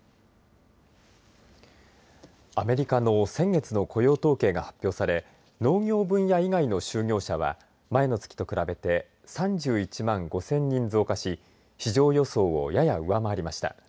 アメリカの先月の雇用統計が発表され農業分野以外の就業者は、前の月と比べて３１万５０００人増加し市場予想をやや上回りました。